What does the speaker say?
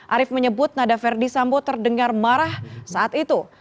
arief menyebut nada verdi sambo terdengar marah saat itu